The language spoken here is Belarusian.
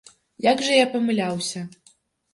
Як жа я памыляўся!